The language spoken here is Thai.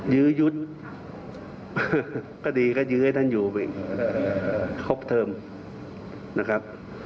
ยื้อยุดก็ดีก็ยื้อให้ท่านอยู่อีกครบเทิมนะครับ